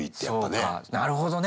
なるほどね！